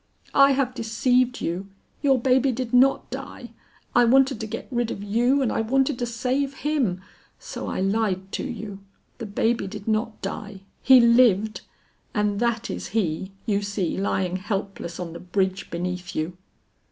"I have deceived you; your baby did not die; I wanted to get rid of you and I wanted to save him, so I lied to you. The baby did not die; he lived, and that is he you see lying helpless on the bridge beneath you."